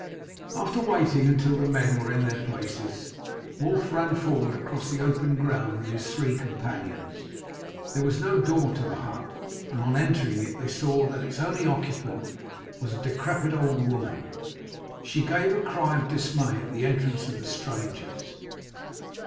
After waiting until the men were in their places, Wulf ran forward across the open ground with his three companions. There was no door to the hut, and on entering it they saw that its only occupant was a decrepit old woman. She gave a cry of dismay at the entrance of the strangers.